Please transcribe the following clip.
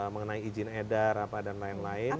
mengenai izin edar apa dan lain lain